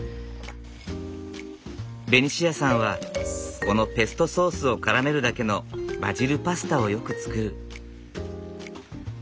ベニシアさんはこのペストソースをからめるだけのバジルパスタをよく作る。